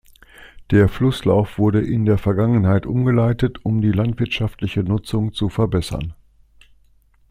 Der Flusslauf wurde in der Vergangenheit umgeleitet, um die landwirtschaftliche Nutzung zu verbessern.